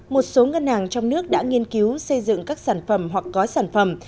một số ngân hàng trong nước đã nghiên cứu xây dựng các sản phẩm hoặc có sản phẩm